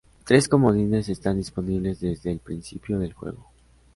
Tres comodines están disponibles desde el principio del juego.